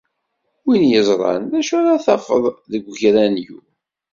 Wi yeẓran d acu ara d-tafeḍ deg ugranyu?